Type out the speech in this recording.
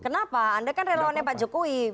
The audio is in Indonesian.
kenapa anda kan relawannya pak jokowi